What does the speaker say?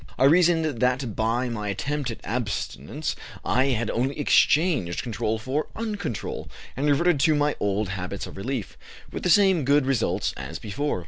I reasoned that by my attempt at abstinence I had only exchanged control for uncontrol, and reverted to my old habits of relief, with the same good results as before.